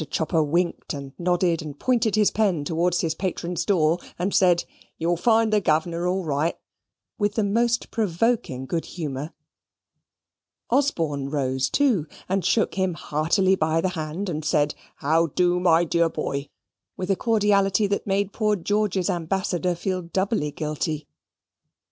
Chopper winked and nodded and pointed his pen towards his patron's door, and said, "You'll find the governor all right," with the most provoking good humour. Osborne rose too, and shook him heartily by the hand, and said, "How do, my dear boy?" with a cordiality that made poor George's ambassador feel doubly guilty.